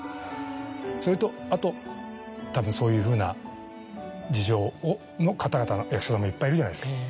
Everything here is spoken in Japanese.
それとあとたぶんそういうふうな事情の方々役者さんもいっぱいいるじゃないですか。